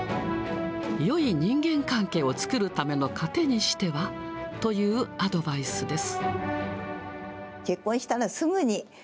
よい人間関係を作るための糧にしては？というアドバイスです。